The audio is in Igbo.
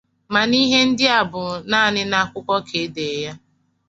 Mana ihe ndị a bụ naanị n'akwụkwọ ka e dere ya